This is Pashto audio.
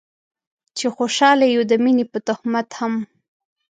چې خوشحاله يو د مينې په تهمت هم